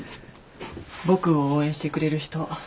・僕を応援してくれる人